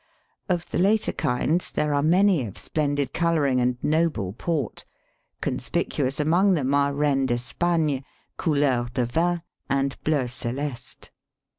Of the later kinds there are many of splendid colouring and noble port; conspicuous among them are Reine d'Espagne, Couleur de vin, and Bleu celeste.